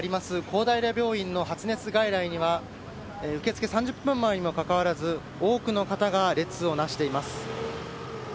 公平病院の発熱外来には受け付け３０分前にもかかわらず多くの方が列を成しています。